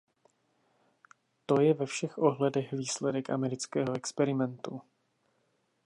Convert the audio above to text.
To je ve všech ohledech výsledek amerického experimentu.